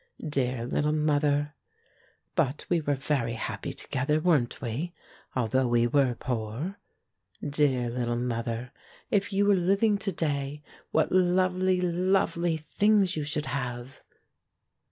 Dear little mother ! But we were very happy to gether, weren't we, although we were poor? Dear little mother, if you were living to day, what lovely, lovely things you should have